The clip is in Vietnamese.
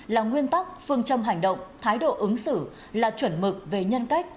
là nguyên tắc phương châm hành động thái độ ứng xử là chuẩn mực về nhân cách